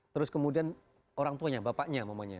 terus kemudian orang tuanya bapaknya